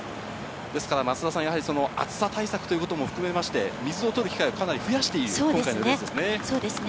ですから、増田さん、やはり暑さ対策ということも含めまして、水を取る機会をかなり増やしている、今回のレースですね。